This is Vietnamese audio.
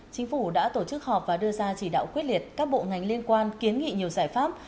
chính phủ đã tổ chức họp và đưa ra chỉ đạo quyết liệt các bộ ngành liên quan kiến nghị nhiều giải pháp